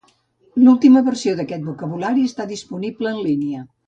L'última versió d'aquest vocabulari està disponible en línia.